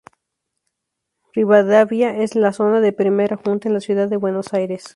Rivadavia en la zona de Primera Junta, en la Ciudad de Buenos Aires.